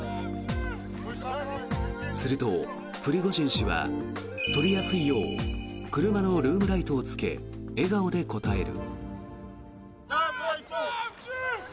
すると、プリゴジン氏は撮りやすいよう車のルームライトをつけ笑顔で応える。